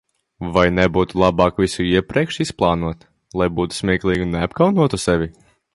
Vai nebūtu labāk visu iepriekš izplānot, lai būtu smieklīgi un neapkaunotu sevi?